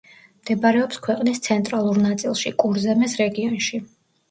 მდებარეობს ქვეყნის ცენტრალურ ნაწილში, კურზემეს რეგიონში.